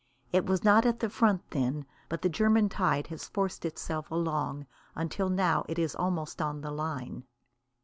It was not at the front then. But the German tide has forced itself along until now it is almost on the line.